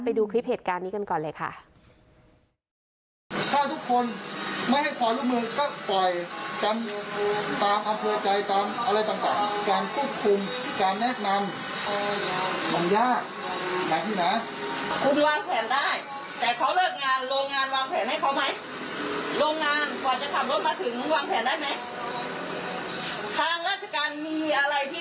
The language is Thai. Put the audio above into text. ไปดูคลิปเหตุการณ์นี้กันก่อนเลยค่ะ